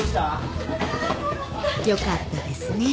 よかったですね。